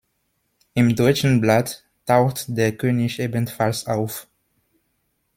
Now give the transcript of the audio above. Im deutschen Blatt taucht der König ebenfalls auf.